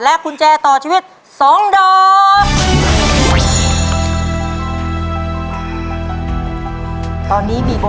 กุญแจต่อชีวิต๒ดอก